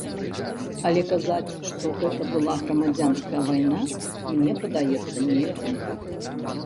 Але казаць, што гэта была грамадзянская вайна, мне падаецца, нельга.